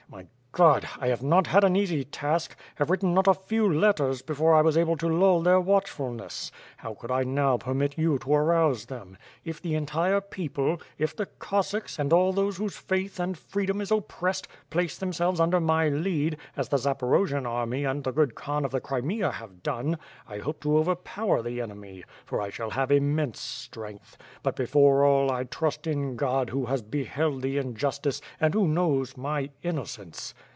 My God! I have not had an ea«y task; ha.ve written not a few letters before 1 was able to lull their watchfulness. How could 1 now permit you to arouse them? If the entire j)eoi)le, if the Cossacks, and all those whose faith and freedom is oppressed, place themselves under my lead, as the Zaporojian army and the good Khan of the Crimea have done, I hope to overpower the enemy, for I shall have immense s'^' ength; but before all I trust in God who has beheld the injustice, and who knows my innocence."